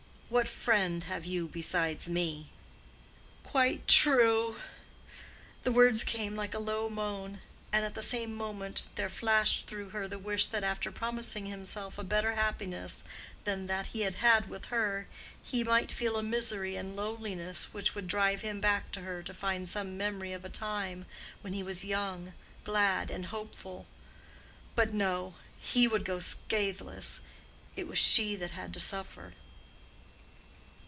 What friend have you besides me?" "Quite true." The words came like a low moan. At the same moment there flashed through her the wish that after promising himself a better happiness than that he had had with her, he might feel a misery and loneliness which would drive him back to her to find some memory of a time when he was young, glad, and hopeful. But no! he would go scathless; it was she that had to suffer.